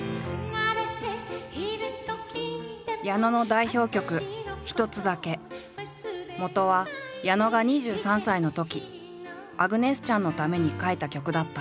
矢野の代表曲もとは矢野が２３歳のときアグネス・チャンのために書いた曲だった。